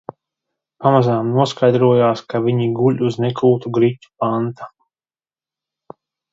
Pamazām noskaidrojās, ka viņi guļ uz nekultu griķu panta.